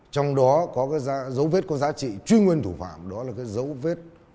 trong đó có cái dấu vết có giá trị truy nguyên thủ phạm đó là cái dấu vết vân tay dính máu